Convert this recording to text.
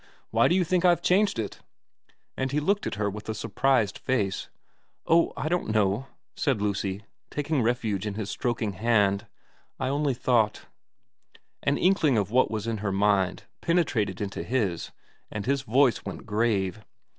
Why do you think I've changed it ?' And he looked at her with a surprised face. * Oh, I don't know,' said Lucy, taking refuge in stroking his hand. ' I only thought ' An inkling of what was in her mind penetrated into his, and his voice went grave.